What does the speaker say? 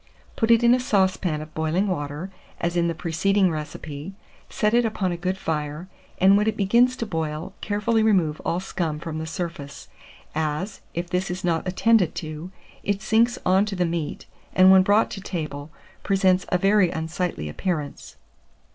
Put it in a saucepan of boiling water, as in the preceding recipe, set it upon a good fire, and when it begins to boil, carefully remove all scum from the surface, as, if this is not attended to, it sinks on to the meat, and when brought to table, presents a very unsightly appearance.